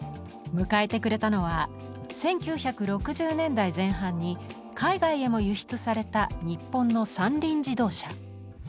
迎えてくれたのは１９６０年代前半に海外へも輸出された日本の三輪自動車。